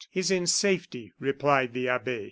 "Is in safety," replied the abbe.